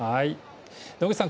野口さん